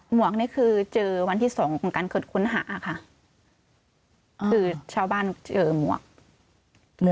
วกนี่คือเจอวันที่สองของการเกิดค้นหาค่ะคือชาวบ้านเจอหมวก